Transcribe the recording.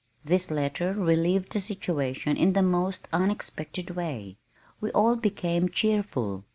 This letter relieved the situation in the most unexpected way. We all became cheerful.